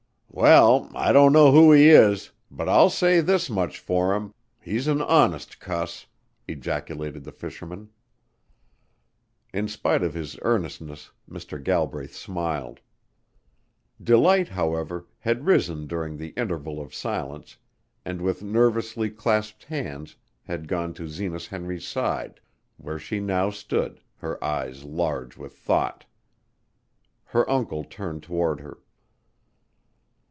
"Well, I dunno who he is, but I'll say this much for him he's an honest cuss!" ejaculated the fisherman. In spite of his earnestness Mr. Galbraith smiled. Delight, however, had risen during the interval of silence and with nervously clasped hands had gone to Zenas Henry's side, where she now stood, her eyes large with thought. Her uncle turned toward her.